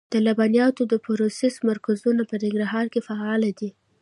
د لبنیاتو د پروسس مرکزونه په ننګرهار کې فعال دي.